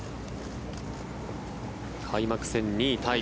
開幕戦２位タイ